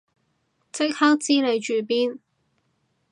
即刻知你住邊